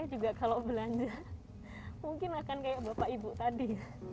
juga kalau belanja mungkin akan kayak bapak ibu tadi